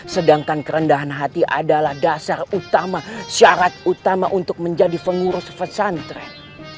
sedangkan kerendahan hati adalah dasar utama syarat utama untuk menjadi pengurus pesantren